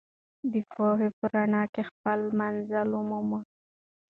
د پوهې په رڼا کې خپل منزل ومومئ.